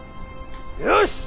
よし！